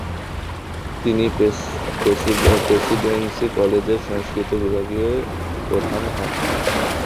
তিনি প্রেসিডেন্সি কলেজের সংস্কৃত বিভাগীয় প্রধান হন।